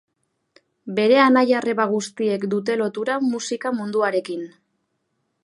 Bere anaia-arreba guztiek dute lotura musika munduarekin.